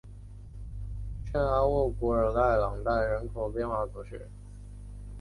圣阿沃古尔代朗代人口变化图示